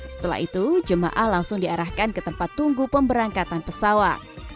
setelah itu jemaah langsung diarahkan ke tempat tunggu pemberangkatan pesawat